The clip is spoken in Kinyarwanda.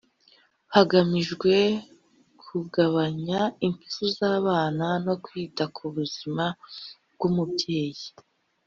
hagamijwe kugabanya impfu z’abana no kwita ku buzima bw’umubyeyi